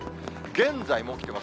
現在も起きてます。